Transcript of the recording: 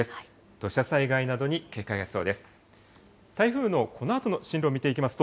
土砂災害などに警戒が必要です。